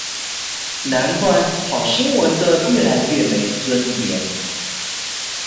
難怪跑新聞的越來越沒尊嚴